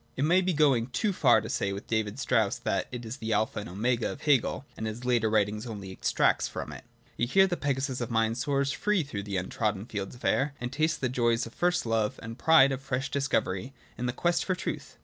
It may be going too far to say with David Strauss that it is the Alpha and Omega of Hegel, and his later writings only extracts from it \ Yet here the Pegasus of mind soars free through untrodden fields of air, and tastes the joys of first love and the pride of fresh discovery in the quest for truth.